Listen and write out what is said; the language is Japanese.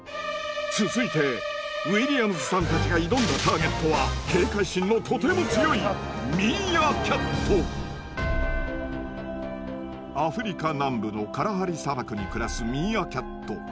続いてウィリアムズさんたちが挑んだターゲットは警戒心のとても強いアフリカ南部のカラハリ砂漠に暮らすミーアキャット。